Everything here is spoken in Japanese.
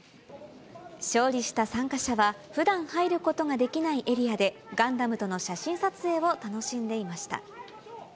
勝利した参加者はふだん入ることができないエリアでガンダムとの写真撮影を楽しんでいました。